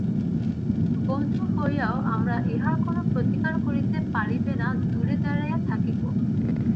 বন্ধু হইয়াও আমরা ইহার কোনো প্রতিকার করিতে পারিবে না–দূরে দাঁড়াইয়া থাকিব?